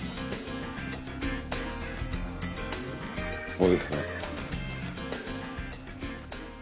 ここですね。